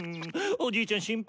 おじいちゃん心配！